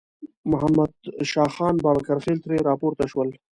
محمد شاه خان بابکرخېل ترې راپورته شول.